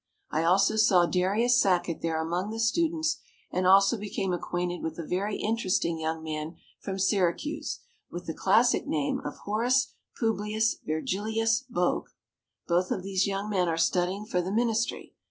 I also saw Darius Sackett there among the students and also became acquainted with a very interesting young man from Syracuse, with the classic name of Horace Publius Virgilius Bogue. Both of these young men are studying for the ministry.